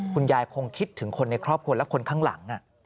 คุณยายคงคิดถึงคนในครอบครัวและคนข้างหลัง